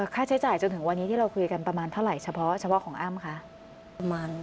ค่าใช้จ่ายจนถึงวันนี้ที่เราคุยกันประมาณเท่าไหร่เฉพาะเฉพาะของอ้ำคะประมาณ